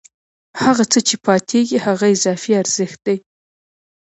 هغه څه چې پاتېږي هغه اضافي ارزښت دی